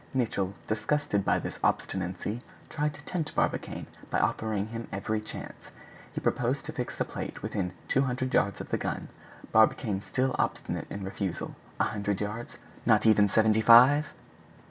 Nicholl, disgusted by this obstinacy, tried to tempt Barbicane by offering him every chance. He proposed to fix the plate within two hundred yards of the gun. Barbicane still obstinate in refusal. A hundred yards? Not even seventy five!